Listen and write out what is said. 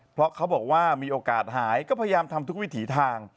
เพราะเขาบอกว่ามีโอกาสหายก็พยายามทำทุกวิถีทาง